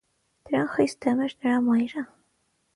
Դրան խիստ դեմ էր նրա մայրը։